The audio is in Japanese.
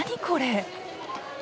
これ。